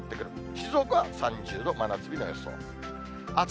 静岡は３０度、真夏日の予想です。